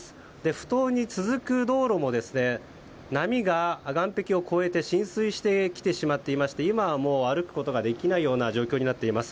埠頭に続く道路も波が岸壁を越えて浸水してきてしまっていまして今は歩くことができないような状況になっています。